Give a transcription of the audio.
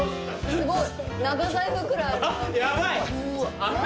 すごい！